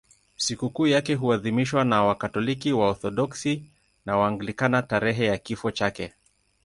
Sikukuu yake huadhimishwa na Wakatoliki, Waorthodoksi na Waanglikana tarehe ya kifo chake.